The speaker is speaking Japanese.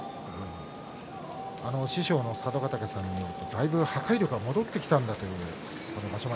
師匠の佐渡ヶ嶽さんによるとだいぶ破壊力が戻ってきたという場所